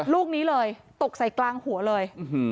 ลูกนี้เลยตกใส่กลางหัวเลย